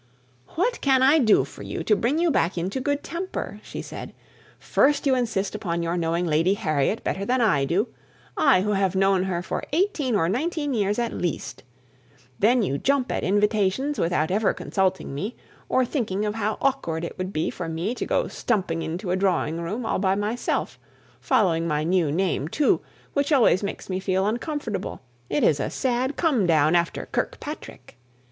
"What can I do for you, to bring you back into good temper?" she said. "First, you insist upon your knowing Lady Harriet better than I do I, who have known her for eighteen or nineteen years at least. Then you jump at invitations without ever consulting me, or thinking of how awkward it would be for me to go stumping into a drawing room all by myself; following my new name, too, which always makes me feel uncomfortable, it is such a sad come down after Kirkpatrick!